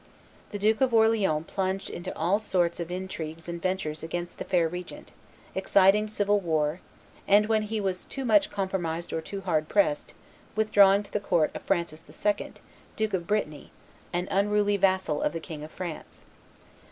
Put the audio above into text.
The Duke of Orleans plunged into all sorts of intrigues and ventures against the fair regent, exciting civil war, and, when he was too much compromised or too hard pressed, withdrawing to the court of Francis II., Duke of Brittany, an unruly vassal of the King of France.